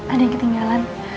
ada yang ketinggalan